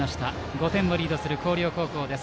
５点をリードする広陵高校。